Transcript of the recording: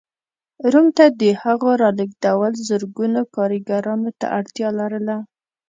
روم ته د هغو رالېږدول زرګونو کارګرانو ته اړتیا لرله.